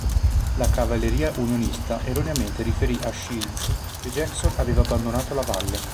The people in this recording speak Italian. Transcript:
La cavalleria unionista erroneamente riferì a Shields che Jackson aveva abbandonato la Valle.